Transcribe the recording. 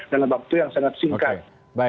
dalam waktu yang sangat singkat